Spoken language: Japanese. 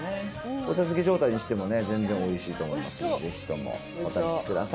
お茶漬け状態にしても全然おいしいと思いますので、ぜひともお試しください。